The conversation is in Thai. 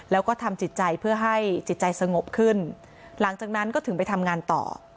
แล้วก็ทำจิตใจเพื่อให้จิตใจสงบขึ้นหลังจากนั้นก็ถึงไปทำงานต่อ